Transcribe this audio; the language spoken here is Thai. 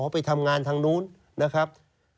ไปทำงานทางนู้นนะครับ